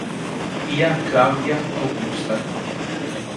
Via Claudia Augusta